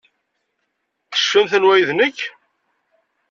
Tecfamt anwa ay d nekk?